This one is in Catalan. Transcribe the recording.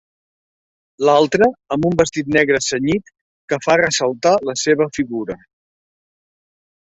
L'altra, amb un vestit negre cenyit que fa ressaltar la seva figura.